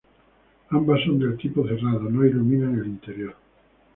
Ambas son del tipo cerrado, no iluminan el interior.